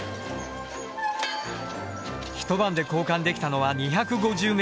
一晩で交換できたのは２５０ｍ。